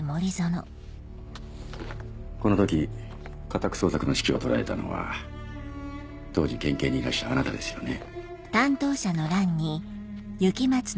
この時家宅捜索の指揮を執られたのは当時県警にいらしたあなたですよね？